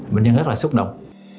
bệnh nhân rất là xúc động